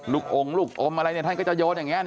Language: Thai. ลูกองค์ลูกอมอะไรเนี่ยท่านก็จะโยนอย่างเนี่ย